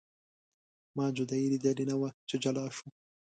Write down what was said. ما جدایي لیدلې نه وه چې جلا شو.